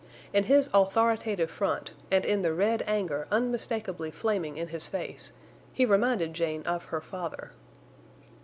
In his authoritative front, and in the red anger unmistakably flaming in his face, he reminded Jane of her father.